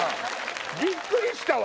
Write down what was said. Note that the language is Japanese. びっくりしたわ！